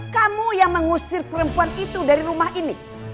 kamu yang mengusir perempuan itu dari rumah ini